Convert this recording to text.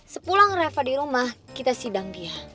sepulang refa di rumah kita sidang dia